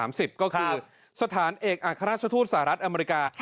สามสิบก็คือสถานเอกอัฆราชทูตสหรัฐอเมริกา